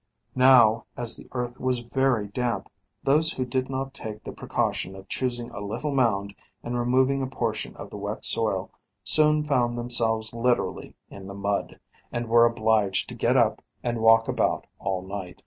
Now, as the earth was very damp, those who did not take the precaution of choosing a little mound, and removing a portion of the wet soil, soon found themselves literally in the mud, and were obliged to get up, and walk about all night.